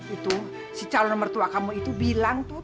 itu si calon mertua kamu itu bilang tuh